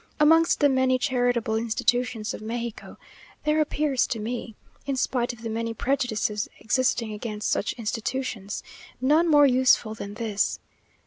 Amongst the many charitable institutions of Mexico, there appears to me (in spite of the many prejudices existing against such institutions) none more useful than this.